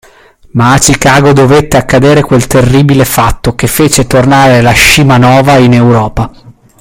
ma a Chicago dovette accadere quel terribile fatto che fece tornare la Scimanova in Europa